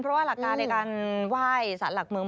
เพราะว่าหลักการในการไหว้สารหลักเมือง